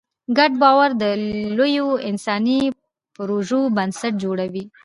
ګډ باور د لویو انساني پروژو بنسټ جوړوي.